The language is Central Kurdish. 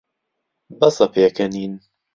بەسە پێکەنین.